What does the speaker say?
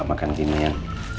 nah pak dia tarikain tuh soban